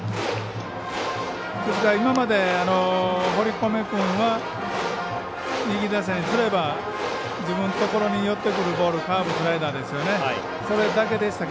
ですから、今まで堀米君は右打者からすれば自分のところに寄ってくるカーブ、スライダーですよね。